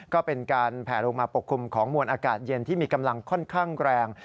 ก็เป็นการแผลลงมาปกคลุมของมวลอากาศเย็นที่มีกำลังค่อนข้างแรง